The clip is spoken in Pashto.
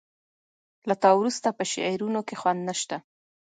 له تا وروسته په شعرونو کې خوند نه شته